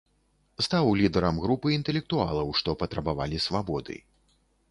Стаў лідарам групы інтэлектуалаў, што патрабавалі свабоды.